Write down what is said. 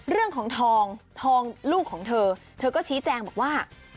เรื่องของทองทองลูกของเธอเธอก็ชี้แจงบอกว่า